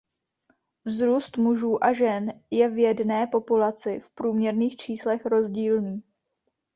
Vzrůst mužů a žen je v jedné populaci v průměrných číslech rozdílný.